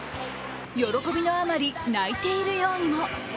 喜びのあまり泣いているようにも。